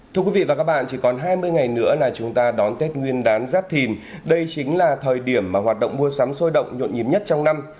thưa quý vị và các bạn chỉ còn hai mươi ngày nữa là chúng ta đón tết nguyên đán giáp thìn đây chính là thời điểm mà hoạt động mua sắm sôi động nhộn nhím nhất trong năm